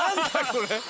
これ。